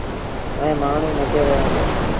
ائيٚݩ مآڻهوٚݩ نچي رهيآ هُݩدآ۔